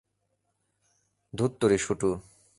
ধুত্তোরি, শুটু!